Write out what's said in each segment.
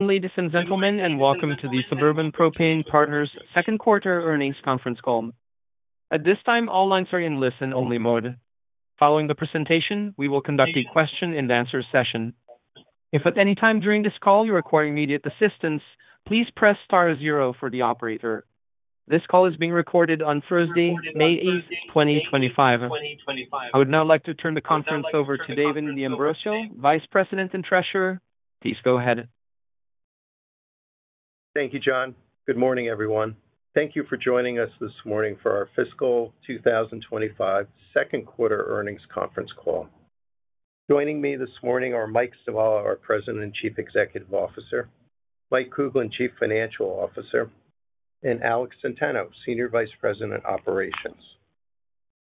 Ladies and gentlemen, and welcome to the Suburban Propane Partners Q2 earnings conference call. At this time, all lines are in listen-only mode. Following the presentation, we will conduct a Q&A session. If at any time during this call you require immediate assistance, please press star zero for the operator. This call is being recorded on Thursday, May 8, 2025. I would now like to turn the conference over to Davin D'Ambrosio, Vice President and Treasurer. Please go ahead. Thank you, John. Good morning, everyone. Thank you for joining us this morning for our fiscal 2025 Q2 earnings conference call. Joining me this morning are Mike Stivala, our President and Chief Executive Officer; Mike Kuglin, Chief Financial Officer; and Alex Centano, Senior Vice President, Operations.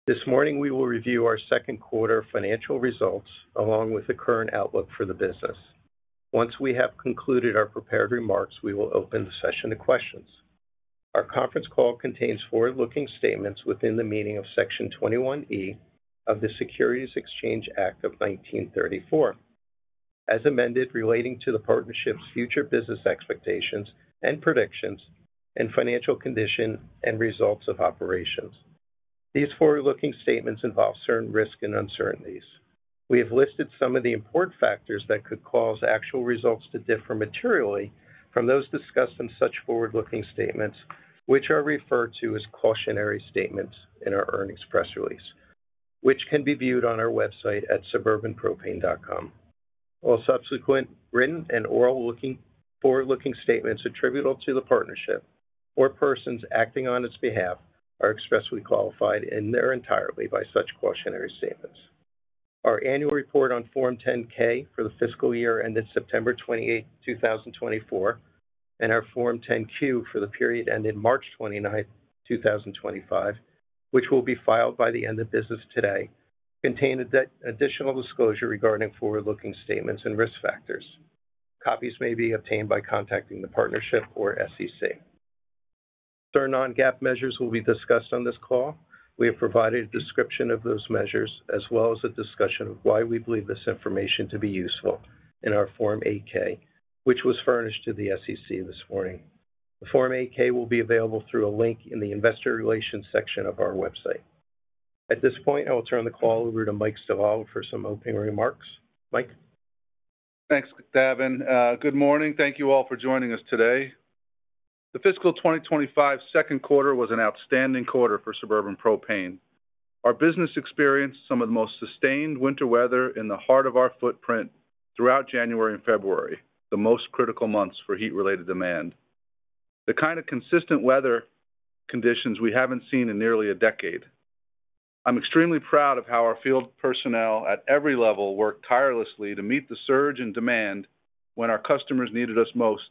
This morning, we will review our Q2 financial results along with the current outlook for the business. Once we have concluded our prepared remarks, we will open the session to questions. Our conference call contains forward-looking statements within the meaning of Section 21E of the Securities Exchange Act of 1934, as amended, relating to the partnership's future business expectations and predictions, and financial condition and results of operations. These forward-looking statements involve certain risks and uncertainties. We have listed some of the important factors that could cause actual results to differ materially from those discussed in such forward-looking statements, which are referred to as cautionary statements in our earnings press release, which can be viewed on our website at suburbanpropane.com. All subsequent written and oral forward-looking statements attributable to the partnership or persons acting on its behalf are expressly qualified in their entirety by such cautionary statements. Our annual report on Form 10-K for the fiscal year ended September 28th, 2024, and our Form 10-Q for the period ended March 29th, 2025, which will be filed by the end of business today, contain an additional disclosure regarding forward-looking statements and risk factors. Copies may be obtained by contacting the partnership or SEC. Certain non-GAAP measures will be discussed on this call. We have provided a description of those measures as well as a discussion of why we believe this information to be useful in our Form 8-K, which was furnished to the SEC this morning. The Form 8-K will be available through a link in the investor relations section of our website. At this point, I will turn the call over to Mike Stivala for some opening remarks. Mike Stivala. Thanks, Davin D'Ambrosio. Good morning. Thank you all for joining us today. The fiscal 2025 Q2 was an outstanding quarter for Suburban Propane. Our business experienced some of the most sustained winter weather in the heart of our footprint throughout January and February, the most critical months for heat-related demand, the kind of consistent weather conditions we have not seen in nearly a decade. I am extremely proud of how our field personnel at every level worked tirelessly to meet the surge in demand when our customers needed us most,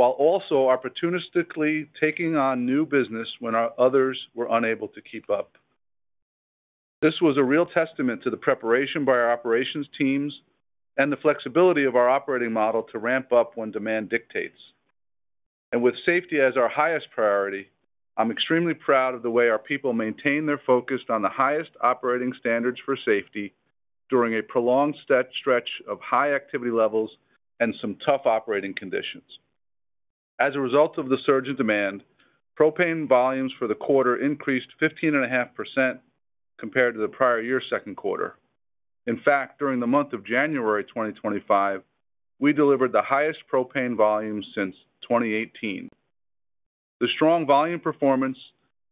while also opportunistically taking on new business when others were unable to keep up. This was a real testament to the preparation by our operations teams and the flexibility of our operating model to ramp up when demand dictates. With safety as our highest priority, I'm extremely proud of the way our people maintained their focus on the highest operating standards for safety during a prolonged stretch of high activity levels and some tough operating conditions. As a result of the surge in demand, propane volumes for the quarter increased 15.5% compared to the prior year's Q2. In fact, during the month of January 2025, we delivered the highest propane volumes since 2018. The strong volume performance,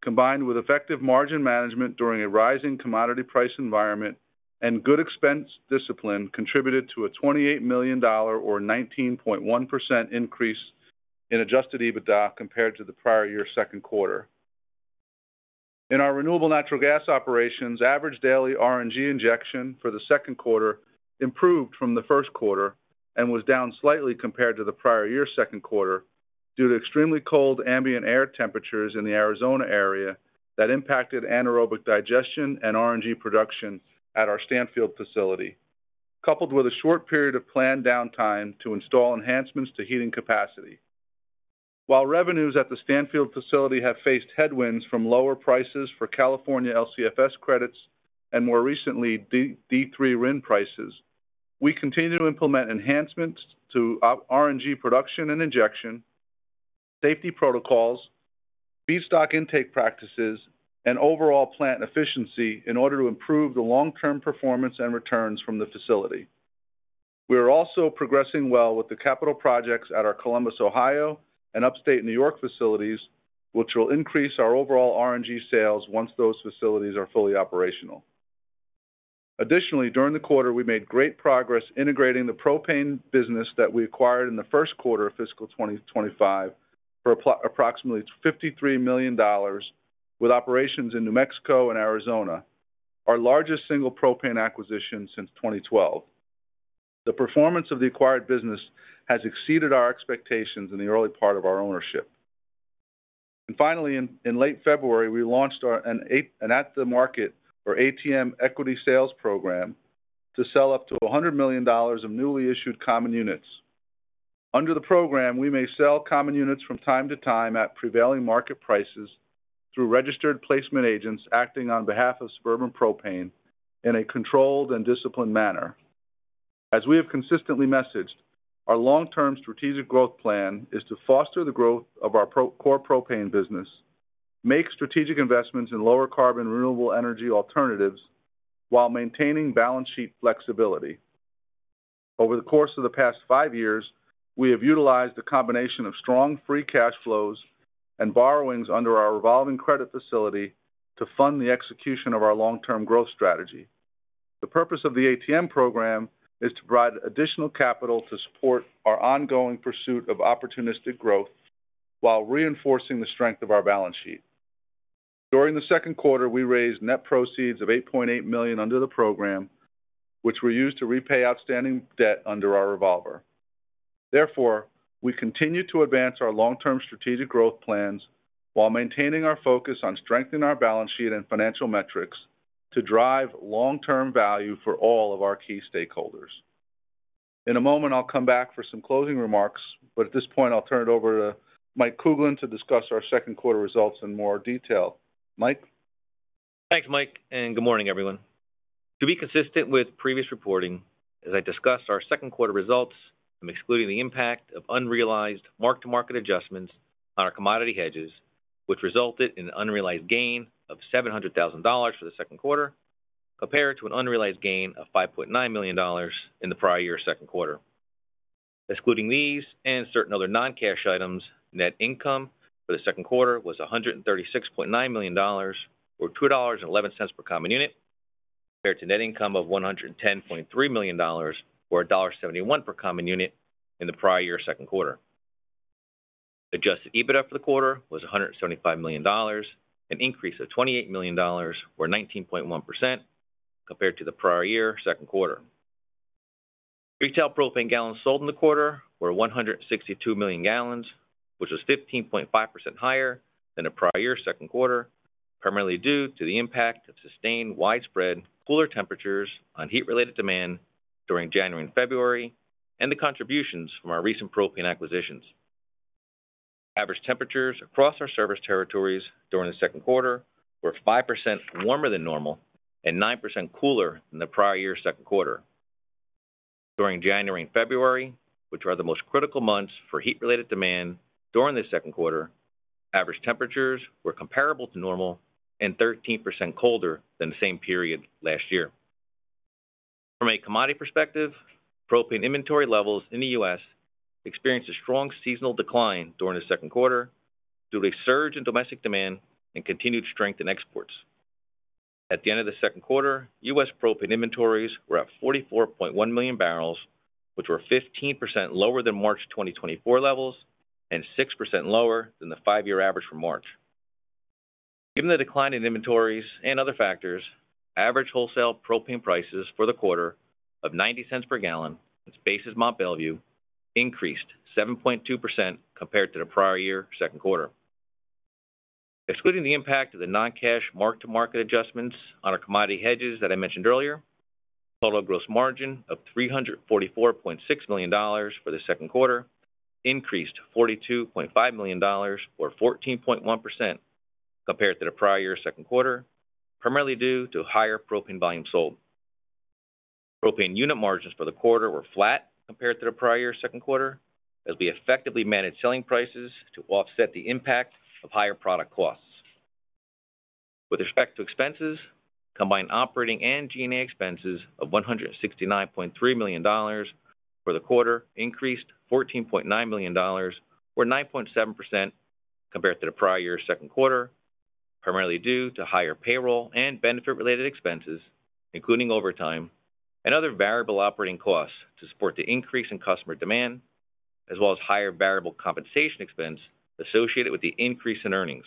combined with effective margin management during a rising commodity price environment and good expense discipline, contributed to a $28 million, or 19.1%, increase in Adjusted EBITDA compared to the prior year's Q2. In our renewable natural gas operations, average daily RNG injection for the Q2 improved from the Q1 and was down slightly compared to the prior year's Q2 due to extremely cold ambient air temperatures in the Arizona area that impacted anaerobic digestion and RNG production at our Stanfield facility, coupled with a short period of planned downtime to install enhancements to heating capacity. While revenues at the Stanfield facility have faced head-winds from lower prices for California LCFS credits and more recently D3 RIN prices, we continue to implement enhancements to RNG production and injection, safety protocols, feedstock intake practices, and overall plant efficiency in order to improve the long-term performance and returns from the facility. We are also progressing well with the capital projects at our Columbus, Ohio, and upstate New York facilities, which will increase our overall RNG sales once those facilities are fully operational. Additionally, during the quarter, we made great progress integrating the propane business that we acquired in the Q1 of fiscal 2025 for approximately $53 million, with operations in New Mexico and Arizona, our largest single propane acquisition since 2012. The performance of the acquired business has exceeded our expectations in the early part of our ownership. Finally, in late February, we launched an at-the-market or ATM equity sales program to sell up to $100 million of newly issued common units. Under the program, we may sell common units from time to time at prevailing market prices through registered placement agents acting on behalf of Suburban Propane in a controlled and disciplined manner. As we have consistently messaged, our long-term strategic growth plan is to foster the growth of our core propane business, make strategic investments in lower-carbon renewable energy alternatives while maintaining balance sheet flexibility. Over the course of the past five years, we have utilized a combination of strong free cash flows and borrowings under our revolving credit facility to fund the execution of our long-term growth strategy. The purpose of the ATM program is to provide additional capital to support our ongoing pursuit of opportunistic growth while reinforcing the strength of our balance sheet. During the Q2, we raised net proceeds of $8.8 million under the program, which were used to repay outstanding debt under our revolver. Therefore, we continue to advance our long-term strategic growth plans while maintaining our focus on strengthening our balance sheet and financial metrics to drive long-term value for all of our key stakeholders. In a moment, I'll come back for some closing remarks, but at this point, I'll turn it over to Mike Kuglin to discuss our Q2 results in more detail. Mike Kuglin. Thanks, Mike Stival, and good morning, everyone. To be consistent with previous reporting, as I discussed our Q2 results, I'm excluding the impact of unrealized mark-to-market adjustments on our commodity hedges, which resulted in an unrealized gain of $700,000 for the Q2 compared to an unrealized gain of $5.9 million in the prior year's Q2. Excluding these and certain other non-cash items, net income for the Q2 was $136.9 million, or $2.11 per common unit, compared to net income of $110.3 million, or $1.71 per common unit in the prior year's Q2. Adjusted EBITDA for the quarter was $175 million, an increase of $28 million, or 19.1%, compared to the prior year's Q2. Retail propane gallons sold in the quarter were 162 million gallons, which was 15.5% higher than the prior year's Q2, primarily due to the impact of sustained widespread cooler temperatures on heat-related demand during January and February and the contributions from our recent propane acquisitions. Average temperatures across our service territories during the Q2 were 5% warmer than normal and 9% cooler than the prior year's Q2. During January and February, which are the most critical months for heat-related demand during the Q2, average temperatures were comparable to normal and 13% colder than the same period last year. From a commodity perspective, propane inventory levels in the U.S. experienced a strong seasonal decline during the Q2 due to a surge in domestic demand and continued strength in exports. At the end of the Q2, U.S. Propane inventories were at 44.1 million barrels, which were 15% lower than March 2024 levels and 6% lower than the five-year average for March. Given the decline in inventories and other factors, average wholesale propane prices for the quarter of $0.90 per gallon at Mont Belvieu increased 7.2% compared to the prior year's Q2. Excluding the impact of the non-cash mark-to-market adjustments on our commodity hedges that I mentioned earlier, total gross margin of $344.6 million for the Q2 increased $42.5 million, or 14.1%, compared to the prior year's Q2, primarily due to higher propane volumes sold. Propane unit margins for the quarter were flat compared to the prior year's Q2, as we effectively managed selling prices to offset the impact of higher product costs. With respect to expenses, combined operating and G&A expenses of $169.3 million for the quarter increased $14.9 million, or 9.7%, compared to the prior year's Q2, primarily due to higher payroll and benefit-related expenses, including overtime and other variable operating costs to support the increase in customer demand, as well as higher variable compensation expense associated with the increase in earnings.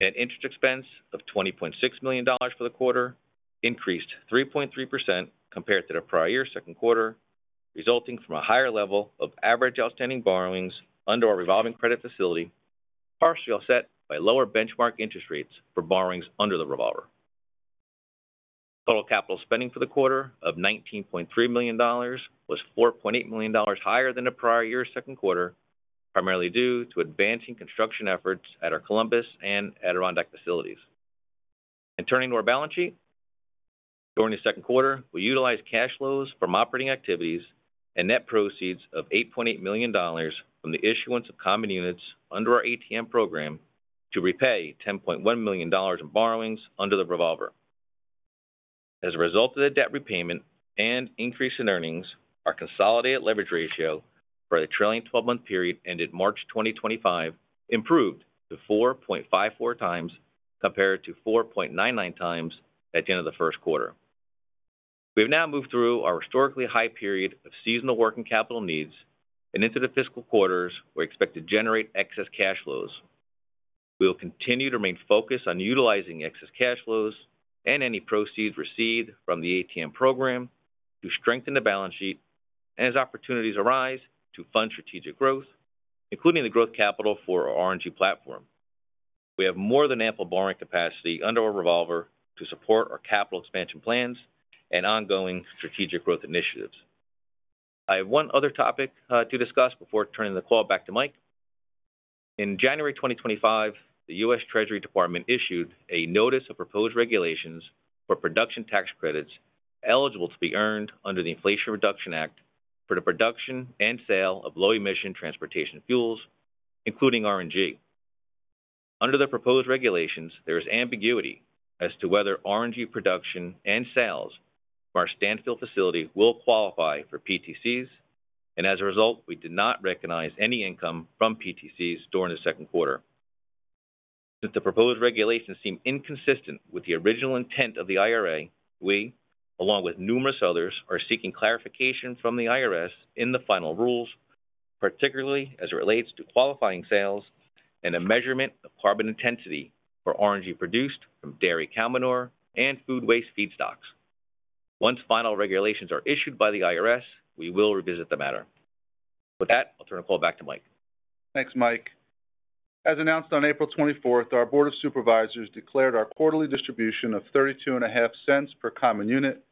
Net interest expense of $20.6 million for the quarter increased 3.3% compared to the prior year's Q2, resulting from a higher level of average outstanding borrowings under our revolving credit facility, partially offset by lower benchmark interest rates for borrowings under the revolver. Total capital spending for the quarter of $19.3 million was $4.8 million higher than the prior year's Q2, primarily due to advancing construction efforts at our Columbus and Adirondack facilities. Turning to our balance sheet, during the Q2, we utilized cash flows from operating activities and net proceeds of $8.8 million from the issuance of common units under our ATM program to repay $10.1 million in borrowings under the revolver. As a result of the debt repayment and increase in earnings, our consolidated leverage ratio for the trailing 12-month period ended March 2025 improved to 4.54x compared to 4.99x at the end of the Q1. We have now moved through our historically high period of seasonal working capital needs and into the fiscal quarters we expect to generate excess cash flows. We will continue to remain focused on utilizing excess cash flows and any proceeds received from the ATM program to strengthen the balance sheet and as opportunities arise to fund strategic growth, including the growth capital for our RNG platform. We have more than ample borrowing capacity under our revolver to support our capital expansion plans and ongoing strategic growth initiatives. I have one other topic to discuss before turning the call back to Mike Stival. In January 2025, the U.S. Treasury Department issued a notice of proposed regulations for production tax credits eligible to be earned under the Inflation Reduction Act for the production and sale of low-emission transportation fuels, including RNG. Under the proposed regulations, there is ambiguity as to whether RNG production and sales from our Stanfield facility will qualify for PTCs, and as a result, we did not recognize any income from PTCs during the Q2. Since the proposed regulations seem inconsistent with the original intent of the IRA, we, along with numerous others, are seeking clarification from the IRS in the final rules, particularly as it relates to qualifying sales and a measurement of carbon intensity for RNG produced from dairy cow manure and food waste feedstocks. Once final regulations are issued by the IRS, we will revisit the matter. With that, I'll turn the call back to Mike Stival. Thanks, Mike Kuglin. As announced on April 24th, our Board of Supervisors declared our quarterly distribution of $0.325 per common unit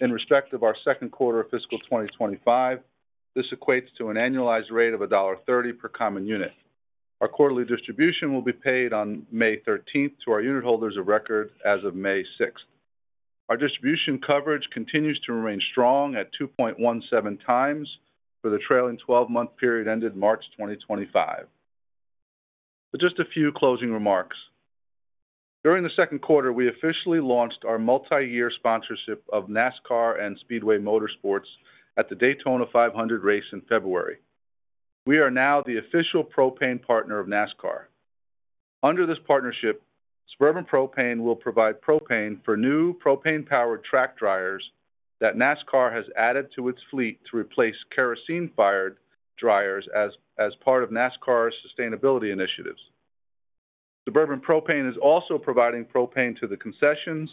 in respect of our Q2 of fiscal 2025. This equates to an annualized rate of $1.30 per common unit. Our quarterly distribution will be paid on May 13th to our unit holders of record as of May 6th. Our distribution coverage continues to remain strong at 2.17 times for the trailing 12-month period ended March 2025. Just a few closing remarks. During the Q2, we officially launched our multi-year sponsorship of NASCAR and Speedway Motorsports at the Daytona 500 race in February. We are now the official propane partner of NASCAR. Under this partnership, Suburban Propane will provide propane for new propane-powered track dryers that NASCAR has added to its fleet to replace kerosene-fired dryers as part of NASCAR's sustainability initiatives. Suburban Propane is also providing propane to the concessions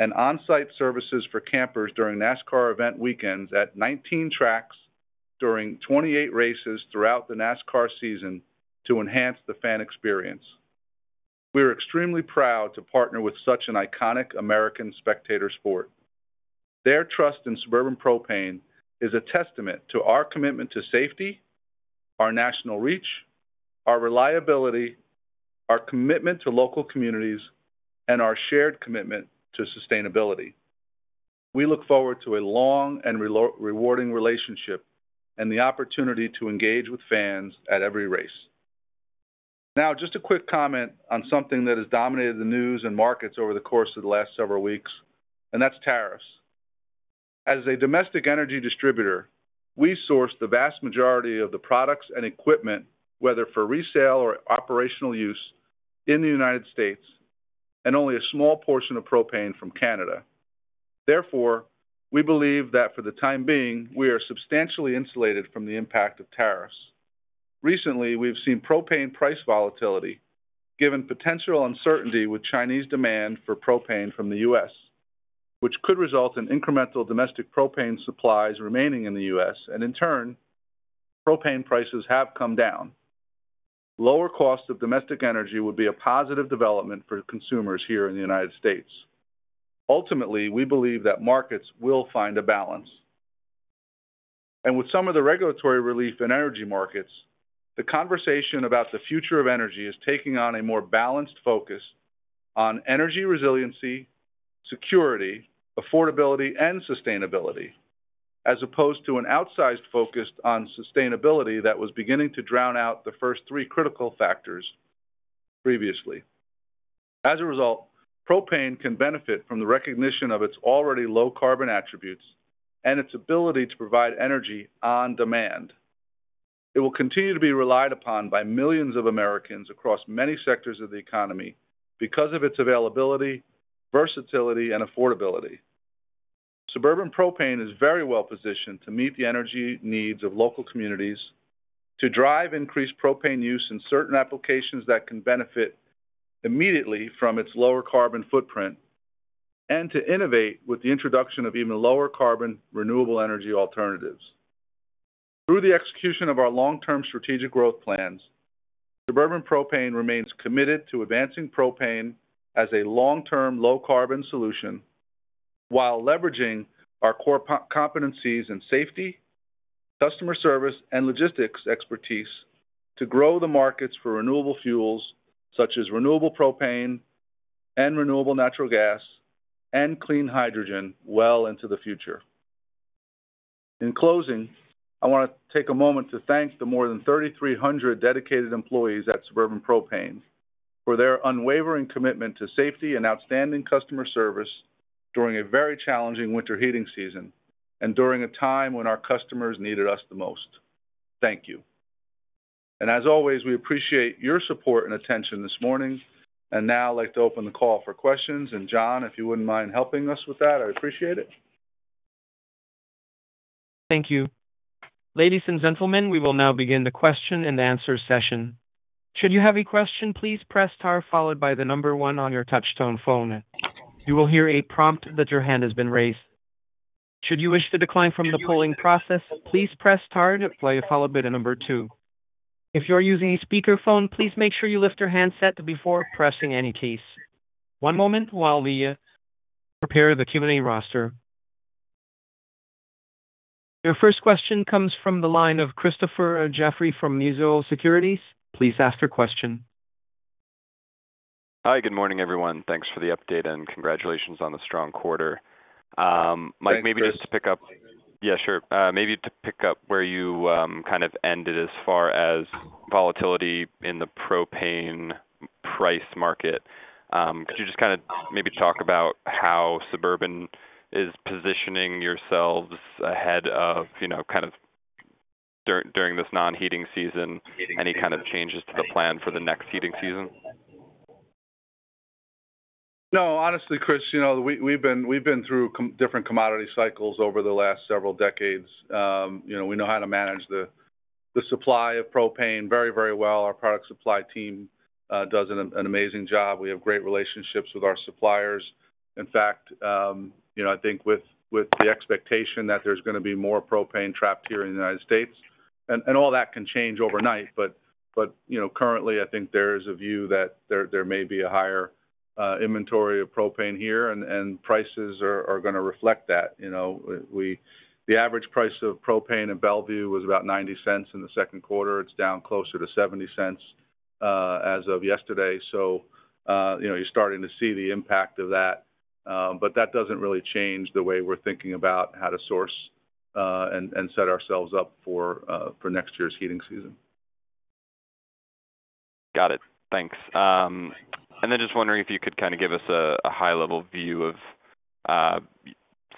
and on-site services for campers during NASCAR event weekends at 19 tracks during 28 races throughout the NASCAR season to enhance the fan experience. We are extremely proud to partner with such an iconic American spectator sport. Their trust in Suburban Propane is a testament to our commitment to safety, our national reach, our reliability, our commitment to local communities, and our shared commitment to sustainability. We look forward to a long and rewarding relationship and the opportunity to engage with fans at every race. Now, just a quick comment on something that has dominated the news and markets over the course of the last several weeks, and that's tariffs. As a domestic energy distributor, we source the vast majority of the products and equipment, whether for resale or operational use, in the United States and only a small portion of propane from Canada. Therefore, we believe that for the time being, we are substantially insulated from the impact of tariffs. Recently, we've seen propane price volatility given potential uncertainty with Chinese demand for propane from the U.S., which could result in incremental domestic propane supplies remaining in the U.S., and in turn, propane prices have come down. Lower costs of domestic energy would be a positive development for consumers here in the United States. Ultimately, we believe that markets will find a balance. With some of the regulatory relief in energy markets, the conversation about the future of energy is taking on a more balanced focus on energy resiliency, security, affordability, and sustainability, as opposed to an outsized focus on sustainability that was beginning to drown out the first three critical factors previously. As a result, propane can benefit from the recognition of its already low carbon attributes and its ability to provide energy on demand. It will continue to be relied upon by millions of Americans across many sectors of the economy because of its availability, versatility, and affordability. Suburban Propane is very well positioned to meet the energy needs of local communities, to drive increased propane use in certain applications that can benefit immediately from its lower carbon footprint, and to innovate with the introduction of even lower carbon renewable energy alternatives. Through the execution of our long-term strategic growth plans, Suburban Propane remains committed to advancing propane as a long-term low carbon solution while leveraging our core competencies in safety, customer service, and logistics expertise to grow the markets for renewable fuels such as renewable propane and renewable natural gas and clean hydrogen well into the future. In closing, I want to take a moment to thank the more than 3,300 dedicated employees at Suburban Propane for their unwavering commitment to safety and outstanding customer service during a very challenging winter heating season and during a time when our customers needed us the most. Thank you. As always, we appreciate your support and attention this morning. Now, I'd like to open the call for questions. John, if you wouldn't mind helping us with that, I'd appreciate it. Thank you. Ladies and gentlemen, we will now begin the Q&A session. Should you have a question, please press star followed by the number one on your touch-tone phone. You will hear a prompt that your hand has been raised. Should you wish to decline from the polling process, please press star to apply a follow-up at number two. If you are using a speakerphone, please make sure you lift your handset before pressing any keys. One moment while we prepare the Q&A roster. Your first question comes from the line of Christopher Jeffrey from Mizuho Securities. Please ask your question. Hi, good morning, everyone. Thanks for the update and congratulations on the strong quarter. Mike Stival, maybe just to pick up—yeah, sure. Maybe to pick up where you kind of ended as far as volatility in the propane price market. Could you just kind of maybe talk about how Suburban is positioning yourselves ahead of kind of during this non-heating season, any kind of changes to the plan for the next heating season? No, honestly, Christopher Jeffrey, we've been through different commodity cycles over the last several decades. We know how to manage the supply of propane very, very well. Our product supply team does an amazing job. We have great relationships with our suppliers. In fact, I think with the expectation that there's going to be more propane trapped here in the United States. All that can change overnight, but currently, I think there is a view that there may be a higher inventory of propane here, and prices are going to reflect that. The average price of propane in Mont Belvieu was about $0.90 in the Q2. It's down closer to $0.70 as of yesterday. You're starting to see the impact of that. That doesn't really change the way we're thinking about how to source and set ourselves up for next year's heating season. Got it. Thanks. Just wondering if you could kind of give us a high-level view of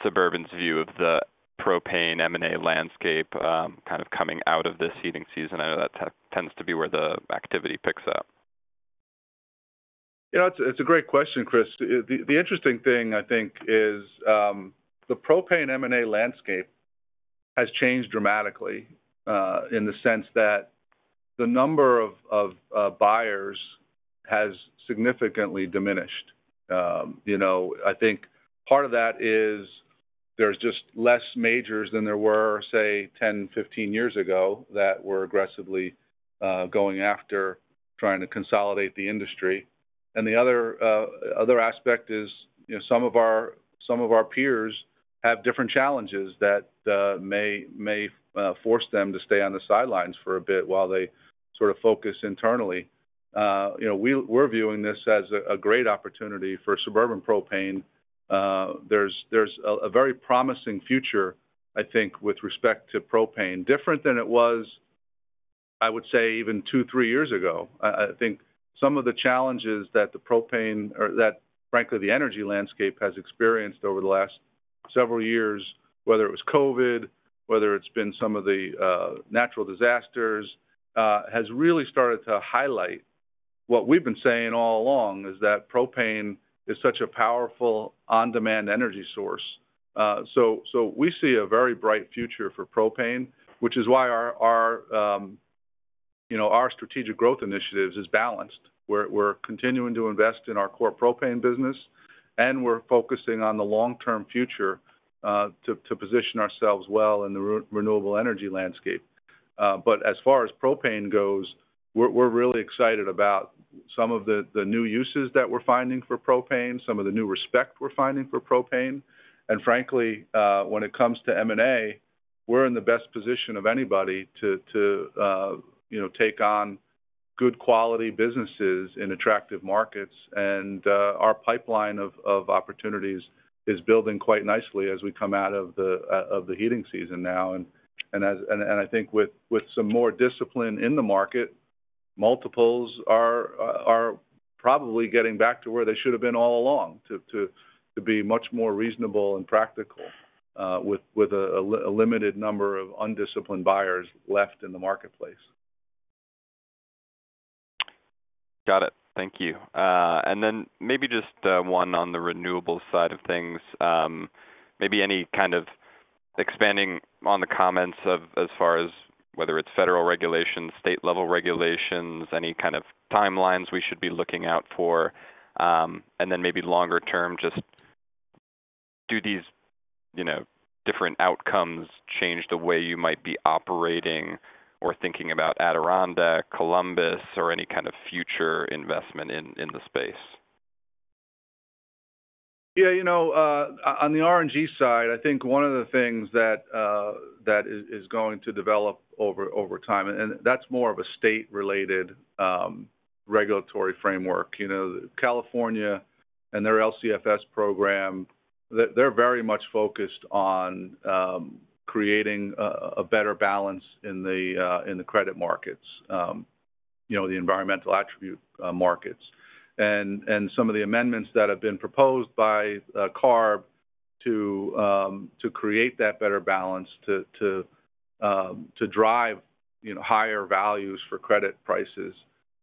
Suburban's view of the propane M&A landscape kind of coming out of this heating season. I know that tends to be where the activity picks up. It's a great question, Christopher Jeffrey. The interesting thing, I think, is the propane M&A landscape has changed dramatically in the sense that the number of buyers has significantly diminished. I think part of that is there's just less majors than there were, say, 10 years-15 years ago that were aggressively going after trying to consolidate the industry. The other aspect is some of our peers have different challenges that may force them to stay on the sidelines for a bit while they sort of focus internally. We're viewing this as a great opportunity for Suburban Propane. There's a very promising future, I think, with respect to propane, different than it was, I would say, even two, three years ago. I think some of the challenges that the propane or that, frankly, the energy landscape has experienced over the last several years, whether it was COVID, whether it's been some of the natural disasters, has really started to highlight what we've been saying all along is that propane is such a powerful on-demand energy source. We see a very bright future for propane, which is why our strategic growth initiatives is balanced. We're continuing to invest in our core propane business, and we're focusing on the long-term future to position ourselves well in the renewable energy landscape. As far as propane goes, we're really excited about some of the new uses that we're finding for propane, some of the new respect we're finding for propane. Frankly, when it comes to M&A, we're in the best position of anybody to take on good quality businesses in attractive markets. Our pipeline of opportunities is building quite nicely as we come out of the heating season now. I think with some more discipline in the market, multiples are probably getting back to where they should have been all along to be much more reasonable and practical with a limited number of undisciplined buyers left in the marketplace. Got it. Thank you. Maybe just one on the renewables side of things. Maybe any kind of expanding on the comments as far as whether it's federal regulations, state-level regulations, any kind of timelines we should be looking out for. Maybe longer term, just do these different outcomes change the way you might be operating or thinking about Adirondack, Columbus, or any kind of future investment in the space? Yeah. On the RNG side, I think one of the things that is going to develop over time, and that's more of a state-related regulatory framework. California and their LCFS program, they're very much focused on creating a better balance in the credit markets, the environmental attribute markets. Some of the amendments that have been proposed by CARB to create that better balance to drive higher values for credit prices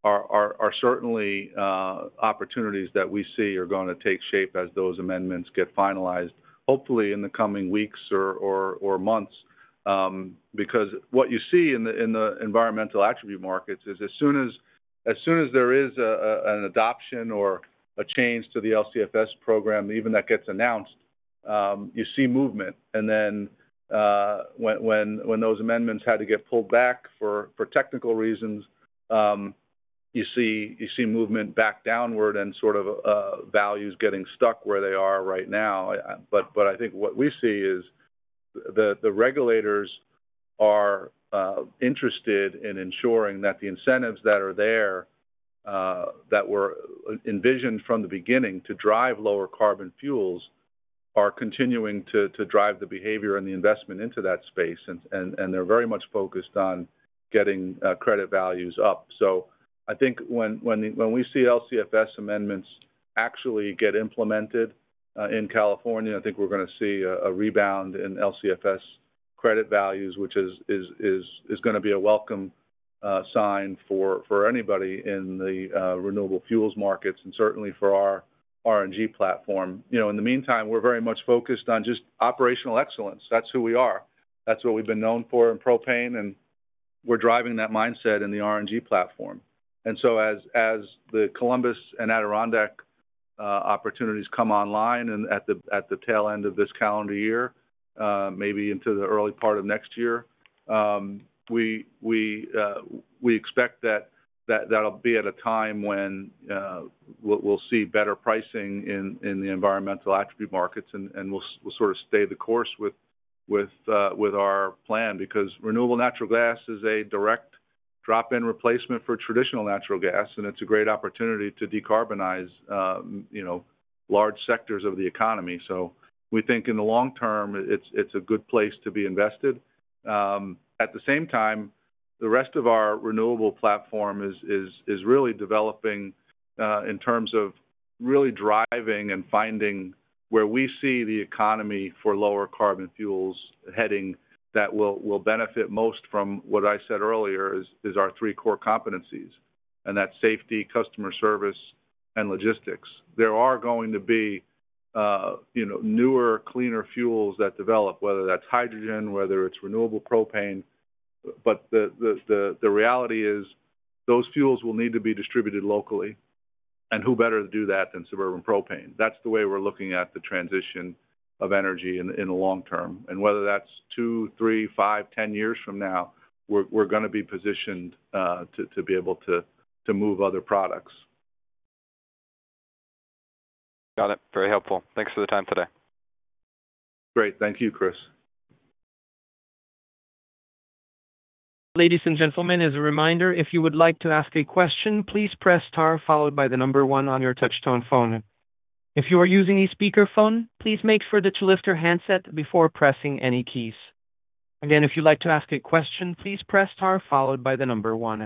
are certainly opportunities that we see are going to take shape as those amendments get finalized, hopefully in the coming weeks or months. Because what you see in the environmental attribute markets is as soon as there is an adoption or a change to the LCFS program, even that gets announced, you see movement. When those amendments had to get pulled back for technical reasons, you see movement back downward and sort of values getting stuck where they are right now. I think what we see is the regulators are interested in ensuring that the incentives that are there that were envisioned from the beginning to drive lower carbon fuels are continuing to drive the behavior and the investment into that space. They are very much focused on getting credit values up. I think when we see LCFS amendments actually get implemented in California, I think we are going to see a rebound in LCFS credit values, which is going to be a welcome sign for anybody in the renewable fuels markets and certainly for our RNG platform. In the meantime, we are very much focused on just operational excellence. That is who we are. That's what we've been known for in propane, and we're driving that mindset in the RNG platform. As the Columbus and Adirondack opportunities come online at the tail end of this calendar year, maybe into the early part of next year, we expect that that'll be at a time when we'll see better pricing in the environmental attribute markets and we'll sort of stay the course with our plan. Because renewable natural gas is a direct drop-in replacement for traditional natural gas, and it's a great opportunity to decarbonize large sectors of the economy. We think in the long term, it's a good place to be invested. At the same time, the rest of our renewable platform is really developing in terms of really driving and finding where we see the economy for lower carbon fuels heading that will benefit most from what I said earlier is our three core competencies, and that is safety, customer service, and logistics. There are going to be newer, cleaner fuels that develop, whether that is hydrogen, whether it is renewable propane. The reality is those fuels will need to be distributed locally. Who better to do that than Suburban Propane? That is the way we are looking at the transition of energy in the long term. Whether that is two, three, five, 10 years from now, we are going to be positioned to be able to move other products. Got it. Very helpful. Thanks for the time today. Great. Thank you, Christopher Jeffrey. Ladies and gentlemen, as a reminder, if you would like to ask a question, please press star followed by the number one on your touchstone phone. If you are using a speakerphone, please make sure that you lift your handset before pressing any keys. Again, if you'd like to ask a question, please press star followed by the number one.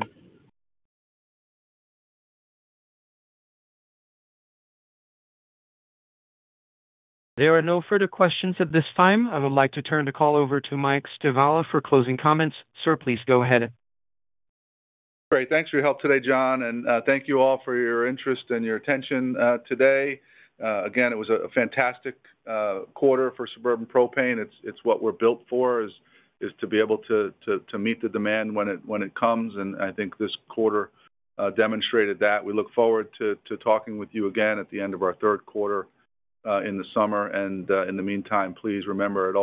There are no further questions at this time. I would like to turn the call over to Mike Stivala for closing comments. Sir, please go ahead. Great. Thanks for your help today, John. Thank you all for your interest and your attention today. Again, it was a fantastic quarter for Suburban Propane. It's what we're built for is to be able to meet the demand when it comes. I think this quarter demonstrated that. We look forward to talking with you again at the end of our Q3 in the summer. In the meantime, please remember at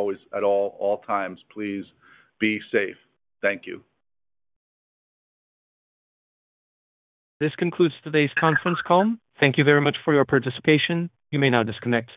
all times, please be safe. Thank you. This concludes today's conference call. Thank you very much for your participation. You may now disconnect.